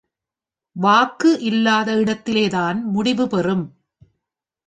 வாக்கு இல்லாத இடத்திலேதான் முடிவு பெறும்.